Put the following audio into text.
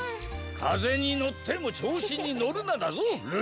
「かぜにのってもちょうしにのるな」だぞルル！